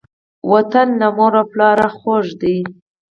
وطن له مور او پلاره خووږ دی.